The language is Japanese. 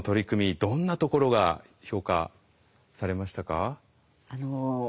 どんなところが評価されましたか？